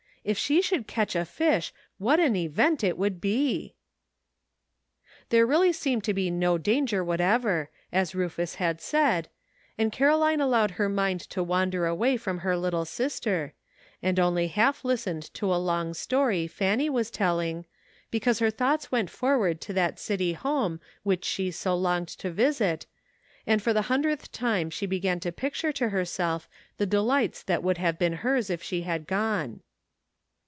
If she should catch a fish what an event it would be ! There really seemed to be no danger what ever, as Rufus had said, and Caroline allowed her mind to wander away from her little sister, and only half listened to a long story Fanny was telling, because her thoughts went forward to that city home which she so longed to visit, and for the hundredth time she began to picture to herself the delights that would have been hers if she had gone.